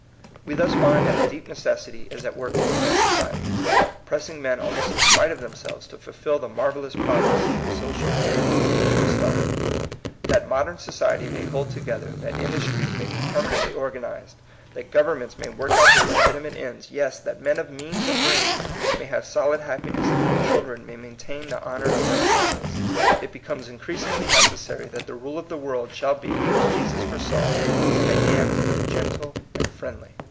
We thus find that a deep necessity is at work in human society, pressing men almost in spite of themselves to fulfil the marvel lous prophecy of social good with which we started. That modem society may hold to gether, that industries may be permanently organized, that governments may work out their legitimate ends, yes, that men of means and brains may have solid happiness and their children may maintain the honor of their families, it becomes increasingly 128 THE COMING PEOPLE. necessary that the rule of the world shall be, as Jesus foresaw, in the hands of the gentle and friendly.